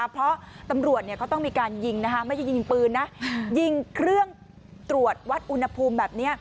เพราะตำรวจเขาต้องมีการยิงไม่ใช่ยิงปืนนะยิงเครื่องตรวจวัดอุณหภูมิแบบนี้